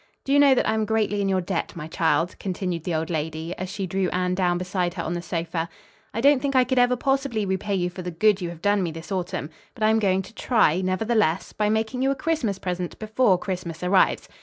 "Do you know that I am greatly in your debt, my child?" continued the old lady, as she drew Anne down beside her on the sofa. "I don't think I could ever possibly repay you for the good you have done me this autumn. But I am going to try, nevertheless, by making you a Christmas present before Christmas arrives.